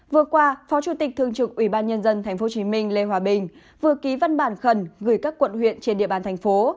vừa qua phó chủ tịch thương trực ubnd tp hcm lê hòa bình vừa ký văn bản khẩn gửi các quận huyện trên địa bàn thành phố